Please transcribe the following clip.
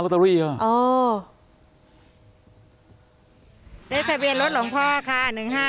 ลูกค้ารถอรี่เหรอโอ้ได้ทะเบียนรถหลวงพ่อค่ะหนึ่งห้า